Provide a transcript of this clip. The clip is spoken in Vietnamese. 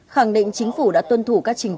khẳng định chính phủ đã tuân thủ các trình